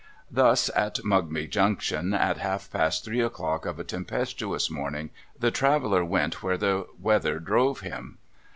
Thus, at Mugby Junction, at past three o'clock of a tempestuous morning, the traveller went where the weather drove him.